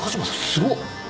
すごっ。